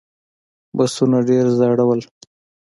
بسونه ډېر زاړه و.